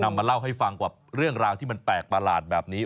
มาเล่าให้ฟังกับเรื่องราวที่มันแปลกประหลาดแบบนี้